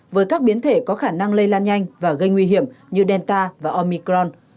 với các biến thể có khả năng lây lan nhanh và gây nguy hiểm như delta và omicron